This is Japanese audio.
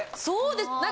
そうです。